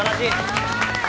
すごい！